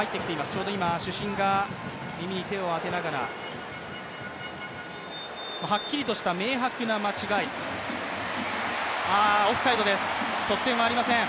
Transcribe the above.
ちょうど今、主審が耳に手を当てながら、はっきりとした明白な間違い、オフサイドです、得点はありません。